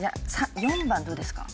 ４番どうですか？